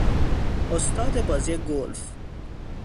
استاد بازی گلف